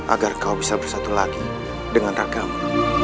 agar kau bisa bersatu lagi dengan raka mu